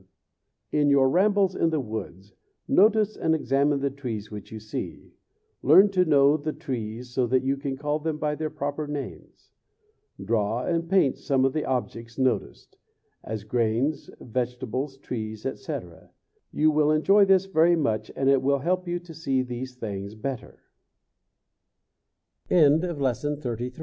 [Illustration: GREAT TREES OF CALIFORNIA.] In your rambles in the woods, notice and examine the trees which you see. Learn to know the trees so that you can call them by their proper names. Draw and paint some of the objects noticed; as grains, vegetables, trees, etc. You will enjoy this very much, and it will help you to see these things bette